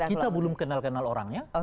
kita belum kenal kenal orangnya